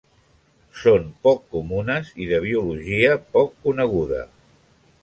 Són poc comunes i de biologia poc coneguda.